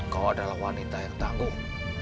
kau adalah wanita yang tangguh